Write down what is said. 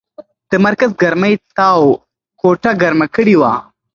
د مرکز ګرمۍ تاو کوټه ګرمه کړې وه.